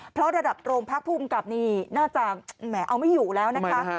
เพราะระดับโรงพลักษณ์ผู้กับนี้น่าจะเอาไม่อยู่แล้วนะคะ